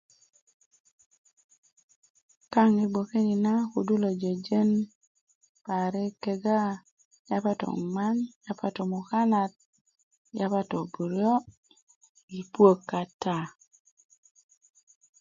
kaŋ gboke ni ma kudu lo jöjön psrik keggs yapa to 'nŋman kode ya to mukanat yapa to buryo' yi puwök kata